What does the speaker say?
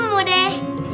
kamu mau cari bahan